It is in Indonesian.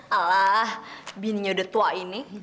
alah bininya udah tua ini